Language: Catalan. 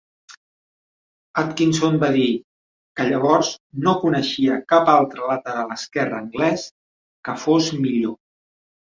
Atkinson va dir que llavors "no coneixia cap altre lateral esquerre anglès que fos millor".